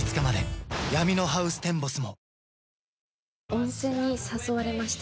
温泉に誘われました。